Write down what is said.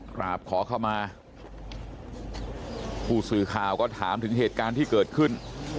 กราบขอเข้ามาผู้สื่อข่าวก็ถามถึงเหตุการณ์ที่เกิดขึ้น